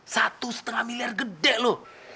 satu setengah miliar gede loh